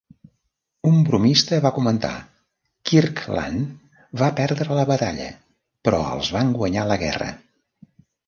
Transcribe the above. Un bromista va comentar: "Kirkland va perdre la batalla però els van guanyar la guerra".